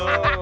itu di situ